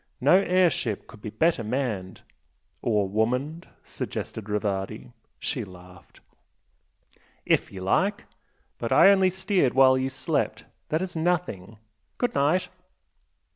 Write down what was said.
No air ship could be better manned!" "Or woman'd?" suggested Rivardi. She laughed. "IF you like! But I only steered while you slept. That is nothing! Good night!"